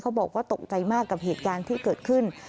บอกว่าตกใจมากกับเหตุการณ์ที่เกิดขึ้น